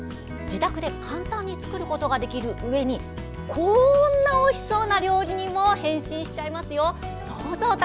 自宅で簡単に作ることができるうえにこんなおいしそうな料理にも変身しちゃいますよ。